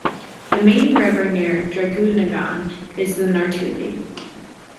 The main river near Draguignan is the Nartuby.